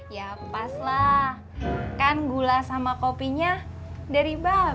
ya pas lah kan gula sama kopinya dari babe